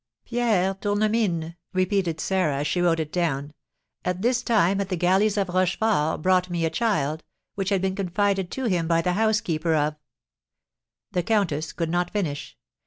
"Pierre Tournemine," repeated Sarah, as she wrote it down, "at this time at the galleys of Rochefort, brought me a child, which had been confided to him by the housekeeper of " The countess could not finish.